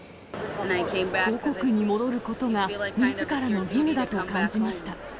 母国に戻ることがみずからの義務だと感じました。